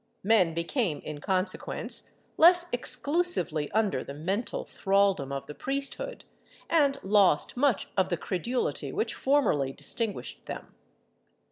Men became in consequence less exclusively under the mental thraldom of the priesthood, and lost much of the credulity which formerly distinguished them.